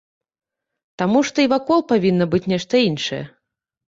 Таму што і вакол павінна быць нешта іншае.